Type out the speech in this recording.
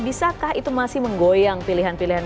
bisa kah itu masih menggoyang pilihan pilihan